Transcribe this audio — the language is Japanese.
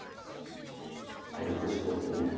軽く搾ってね。